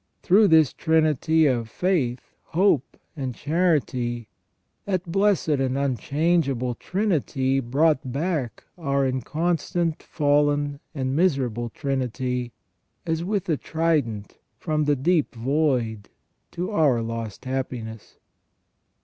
Through this trinity of faith, hope, and charity, that blessed and unchangeable Trinity brought back our inconstant, fallen, and miserable trinity, as with a trident, from the deep void to our lost happiness.